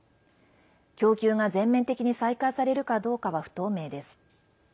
供給が全面的に再開されるかどうかは不透明です。